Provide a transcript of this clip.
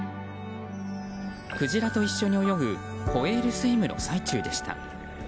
クジラと一緒に泳ぐホエールスイムの最中でした。